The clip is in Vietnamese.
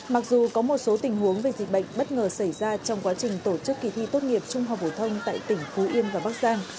mặc dù có một số tình huống về dịch bệnh bất ngờ xảy ra trong quá trình tổ chức kỳ thi tốt nghiệp trung học phổ thông tại tỉnh phú yên và bắc giang